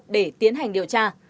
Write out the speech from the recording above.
để tiến hành điều tra